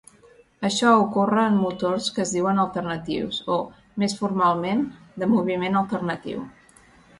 Això ocorre en motors que es diuen alternatius o, més formalment, de moviment alternatiu.